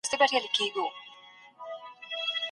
مسلمانان باید د نورو حقونه خوندي کړي.